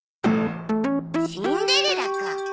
シンデレラか！